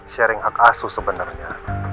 sharing hak asuh sebenarnya